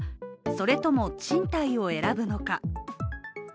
それとも賃貸を選ぶのか。